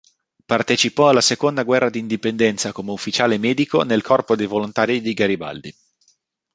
Partecipò alla Seconda guerra d'indipendenza come ufficiale medico nel corpo dei volontari di Garibaldi.